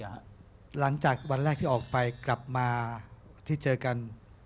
หลังจากวันแรกที่ออกไปกลับมาที่เจอกัน